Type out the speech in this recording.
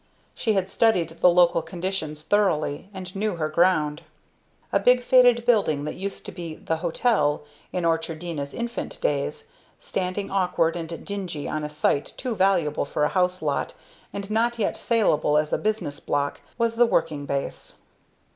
She had studied the local conditions thoroughly, and knew her ground. A big faded building that used to be "the Hotel" in Orchardina's infant days, standing, awkward and dingy on a site too valuable for a house lot and not yet saleable as a business block, was the working base.